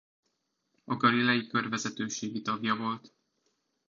A Galilei Kör vezetőségi tagja volt.